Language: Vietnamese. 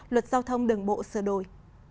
luật giao thông đường bộ sửa đổi